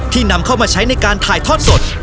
นำเข้ามาใช้ในการถ่ายทอดสด